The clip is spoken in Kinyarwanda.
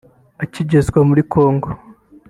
Akigezwa muri Congo